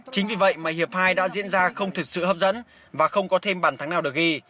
chính vì vậy mà hiệp hai đã diễn ra không thực sự hấp dẫn và không có thêm bàn thắng nào được ghi